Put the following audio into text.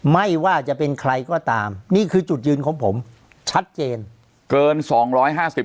ไม่ว่าจะเป็นใครก็ตามนี่คือจุดยืนของผมชัดเจนเกินสองร้อยห้าสิบ